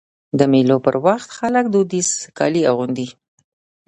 د مېلو پر وخت خلک دودیز کالي اغوندي.